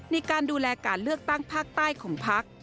ในการดูแลการเลือกตั้งภาคใต้ของพัก